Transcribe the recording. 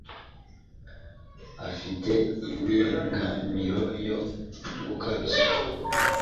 afite impengamiro yo gukabya.